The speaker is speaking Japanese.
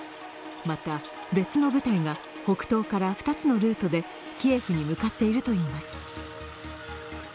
また別の部隊が北東から２つのルートでキエフに向かっているといいます。